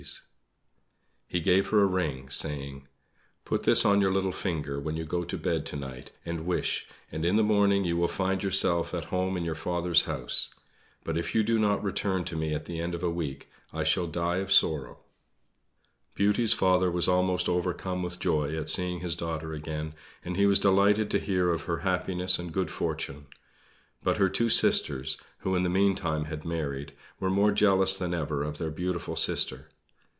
He gave her a ring, saying: "Put this on your little finger when you go to bed to night, and wish; and in the morning you will find yourself at home in your father's house. But if you do not return to me at the end of a week, I shall die of sorrow." Beauty's father was almost overcome with joy at seeing his daughter again, and he was delighted to hear of her happiness and good fortune. But her two sisters who in the meantime had married were more jealous than ever of their beautiful sister.